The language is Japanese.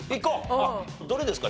どれですか？